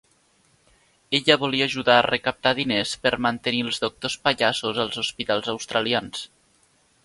Ella volia ajudar a recaptar diners per mantenir els Doctors Pallassos als hospitals australians.